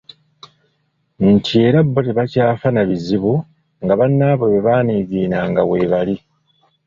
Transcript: Nti era bo tebakyafa na bizibu nga bannaabwe bwe baaniigiinanga weebali.